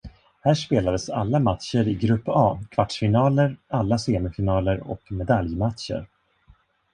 Här spelades alla matcher i grupp A, kvartsfinaler, alla semifinaler och medaljmatcher.